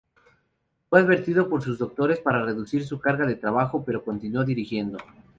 Fue advertido por sus doctores para reducir su carga de trabajo, pero continuó dirigiendo.